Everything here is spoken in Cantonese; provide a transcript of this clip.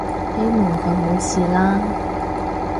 希望佢冇事啦